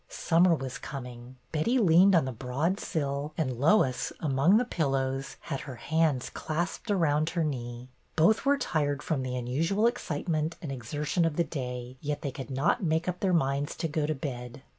Summer was coming. Betty leaned on the broad sill, and Lois, among the pillows, had her hands clasped around her knee. Both were tired from the unusual excitement and THE RECEPTION 327 exertion of the day, yet they could not make up their minds to go to bed.